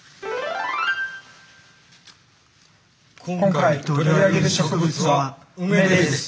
今回取り上げる植物はウメです。